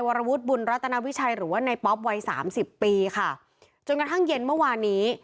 วรวุฒิบุญรัตนาวิชัยหรือว่าในป๊อปวัยสามสิบปีค่ะจนกระทั่งเย็นเมื่อวานนี้